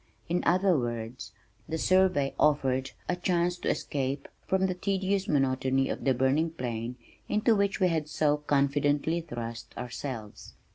In other words, the survey offered a chance to escape from the tedious monotony of the burning plain into which we had so confidently thrust ourselves.